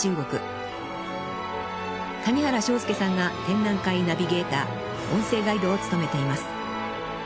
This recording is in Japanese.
［谷原章介さんが展覧会ナビゲーター音声ガイドを務めています］